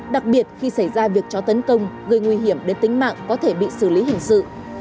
đặc biệt khi xảy ra việc cho tấn công gây nguy hiểm đến tính mạng có thể bị xử lý hình sự